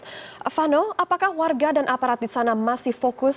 silvano apakah warga dan aparat di sana masih fokus